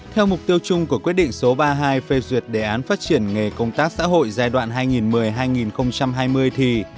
theo mục tiêu chung của quyết định số ba mươi hai phê duyệt đề án phát triển nghề công tác xã hội giai đoạn hai nghìn một mươi hai nghìn hai mươi thì